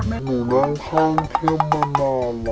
สวัสดีอย่างเป็นทางกลาง